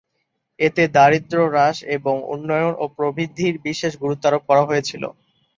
এতে দারিদ্র হ্রাস এবং উন্নয়ন ও প্রবৃদ্ধির বিশেষ গুরুত্বারোপ করা হয়েছিল।